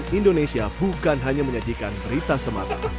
cnn indonesia bukan hanya menyajikan berita semata